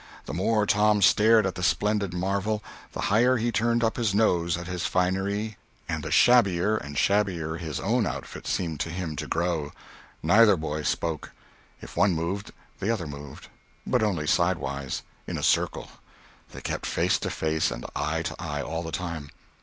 The more Tom stared at the splendid marvel, the higher he turned up his nose at his finery and the shabbier and shabbier his own outfit seemed to him to grow. Neither boy spoke. If one moved, the other moved—but only sidewise, in a circle; they kept face to face and eye to eye all the time.